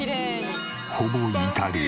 ほぼイタリア。